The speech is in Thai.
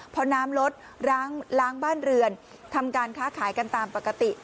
พอน้ำลดล้างบ้านเรือนทำการค้าขายกันตามปกติ